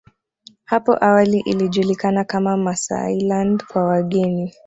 Hapo awali ilijulikana kama Maasailand kwa wageni